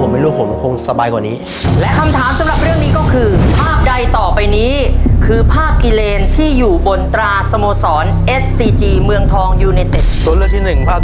แค่ยังมีกอ์นนั้นของซู่รออยู่นะ